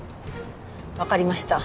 わかりました。